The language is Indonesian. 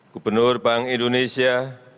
gubernur bank indonesia